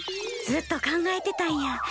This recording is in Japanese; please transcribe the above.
ずっと考えてたんや。